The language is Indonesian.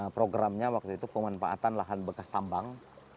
programnya waktu itu pemanfaatan lahan bekas tambang